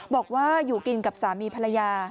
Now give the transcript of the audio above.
บอกว่าอยู่กินกับสามีภรรยา